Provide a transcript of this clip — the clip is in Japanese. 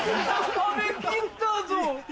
食べきったぞ。